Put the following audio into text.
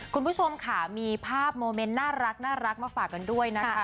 คุณผู้ชมค่ะมีภาพโมเมนต์น่ารักมาฝากกันด้วยนะคะ